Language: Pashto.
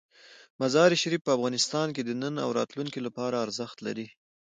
مزارشریف په افغانستان کې د نن او راتلونکي لپاره ارزښت لري.